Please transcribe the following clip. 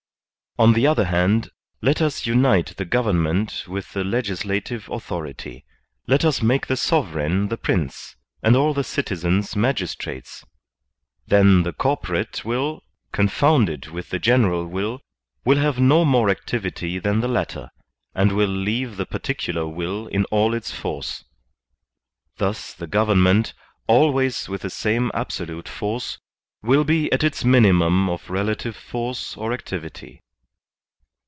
On the other hand, let us tmite the government with the legislative authority; let us make the sovereign the Prince, and all the citizens magistrates; then the corpo* rate will, confounded with the general will, will have no more activity than the latter, and will leave the particu lar will in all its force. Thus the government, always with the same absolute force, will be at its minimum of relative force or activity.